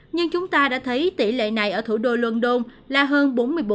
nhưng chúng ta đã thấy tỷ lệ này ở thủ đô london là hơn bốn mươi bốn